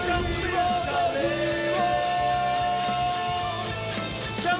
มีความรู้สึกว่า